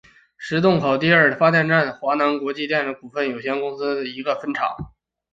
石洞口第二发电厂是华能国际电力股份有限公司的一个分厂。